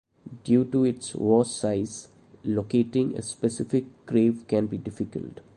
Due to its vast size, locating a specific grave can be difficult.